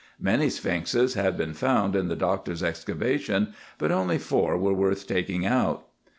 Many sphinxes had been found in the Doctor's excavation, but only four were worth taking out.